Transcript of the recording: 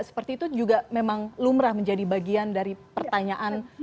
seperti itu juga memang lumrah menjadi bagian dari pertanyaan